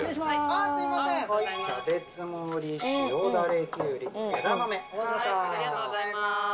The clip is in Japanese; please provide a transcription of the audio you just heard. ・ありがとうございます。